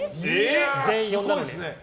全員呼んだのに。